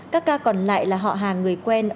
các ca còn lại là họ hàng người quen